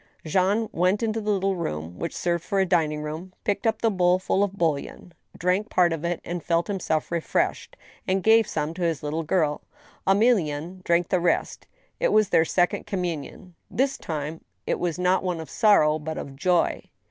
Jean went into the little room which served for a dining room, picked up the bowl full of bouillon, drank part of it, felt himself re freshed, and gave some to his little girl ; Emelienne drank the rest. It was their second communion. This time it was one not of sorrow, but of joy.